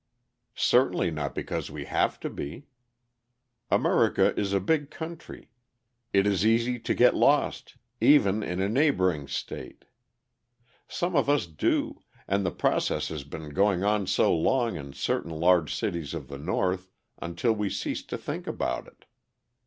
Certainly not because we have to be. America is a big country: it is easy to get lost, even in a neighbouring state. Some of us do, and the process has been going on so long in certain large cities of the North until we cease to think about it.